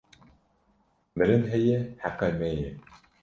Mirin heye heqê me ye